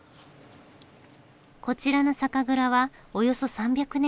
こちらの酒蔵はおよそ３００年前の創業。